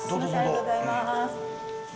ありがとうございます。